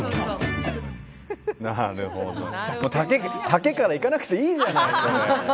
丈からいかなくていいじゃない。